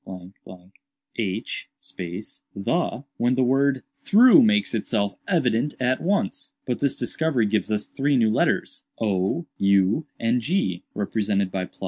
h the, when the word 'through' makes itself evident at once. But this discovery gives us three new letters, o, u and g, represented by ‡,?